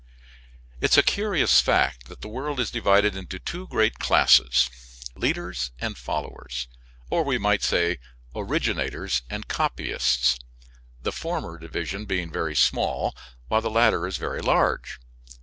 It is a curious fact that the world is divided into two great classes, leaders and followers. Or we might say, originators and copyists; the former division being very small, while the latter is very large.